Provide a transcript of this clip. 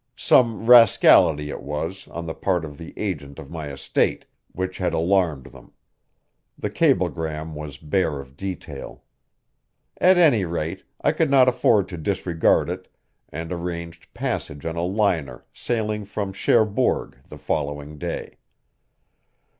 Some rascality it was, on the part of the agent of my estate, which had alarmed them; the cablegram was bare of detail. At any rate, I could not afford to disregard it, and arranged passage on a liner sailing from Cherbourg the following day.